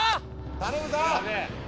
頼むぞ！